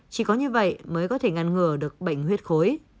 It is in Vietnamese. chỉ có như vậy mới có thể ngăn ngừa được bệnh huyết khối